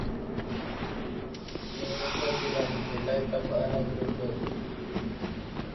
তিনি উত্তর দিলেন, "এটা একটা ভয়ানক দুর্যোগ।